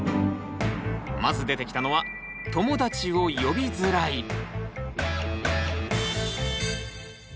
まず出てきたのは「友達を呼びづらい」。